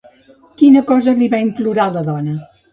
Quina cosa li va implorar la dona?